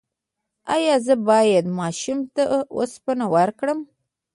ایا زه باید ماشوم ته اوسپنه ورکړم؟